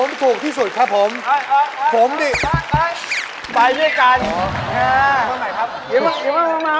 ไม่มีความหมายนะ